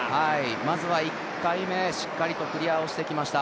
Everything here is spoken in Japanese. まずは１回目、しっかりとクリアをしてきました。